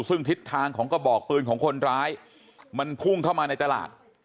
ซึ่งทิศทางของกระบอกปืนของคนร้ายมันพุ่งเข้ามาในตลาด